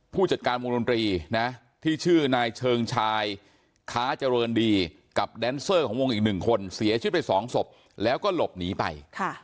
ผู้จัดการวงดนตรีนะที่ชื่อนายเชิงชายค้าเจริญดีกับแดนเซอร์ของวงอีก๑คนเสียชีวิตไป๒ศพแล้วก็หลบหนีไป